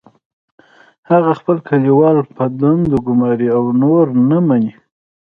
هغه خپل کلیوال په دندو ګماري او نور نه مني